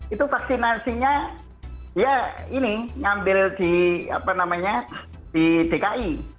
itu vaksinasinya ya ini ngambil di apa namanya di dki